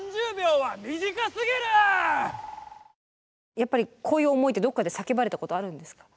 やっぱりこういう思いってどっかで叫ばれたことあるんですか？